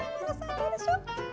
どうでしょう？